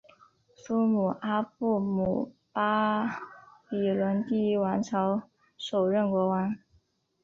苏姆阿布姆巴比伦第一王朝首任国王。